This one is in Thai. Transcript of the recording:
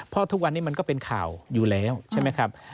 เพราะทุกวันนี้มันก็เป็นข่าวอยู่แล้วใช่ไหมครับ